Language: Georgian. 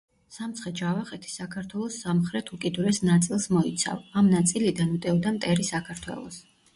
სამცხე-ჯავახეთი საქართველოს სამხრეთ უკიდურეს ნაწილს მოიცავ. ამ ნაწილიდან უტევდა მტერი საქართველოს.